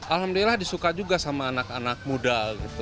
alhamdulillah disuka juga sama anak anak muda